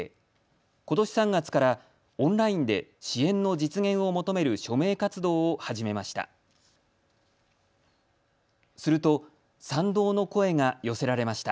ことし３月からオンラインで支援の実現を求める署名活動を始めました。